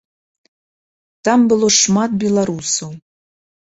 Там было шмат беларусаў.